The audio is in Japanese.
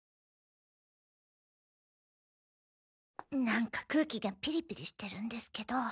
なんか空気がピリピリしてるんですけど。